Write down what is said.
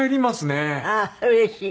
ああーうれしい。